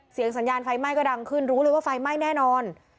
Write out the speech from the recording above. สัญญาณไฟไหม้ก็ดังขึ้นรู้เลยว่าไฟไหม้แน่นอน